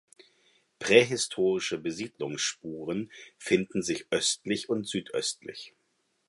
Prähistorische Besiedlungsspuren finden sich östlich und südöstlich.